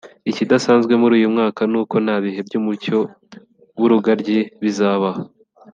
Ikidasanzwe muri uyu mwaka ni uko nta bihe by’umucyo w’urugaryi bizabaho